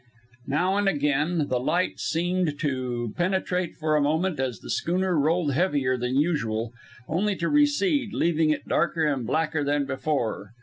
Now and again, the light seemed to penetrate for a moment as the schooner rolled heavier than usual, only to recede, leaving it darker and blacker than before.